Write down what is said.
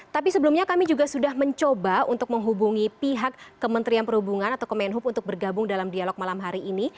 tapi sebelumnya kami juga sudah mencoba untuk menghubungi pihak kementerian perhubungan atau kemenhub untuk bergabung dalam dialog malam hari ini